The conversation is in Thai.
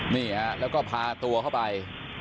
นี่ฮะแล้วก็พาตัวเข้าไป